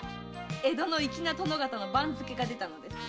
江戸の粋な殿方の番付が出たのです。